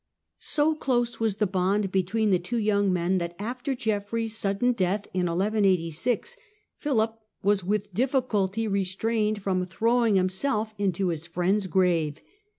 So close was the bond between the two young men, that after Geoffrey's sudden death in 1186, Philip was with difficulty restrained from throwing himself into his friend's grave.